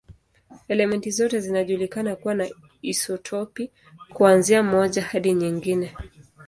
Elementi zote zinajulikana kuwa na isotopi, kuanzia moja hadi nyingi.